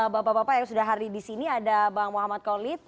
bapak bapak yang sudah hari di sini ada bang muhammad kolit